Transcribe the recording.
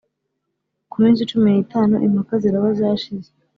ku minsi cumi n itanu Impaka ziraba zashize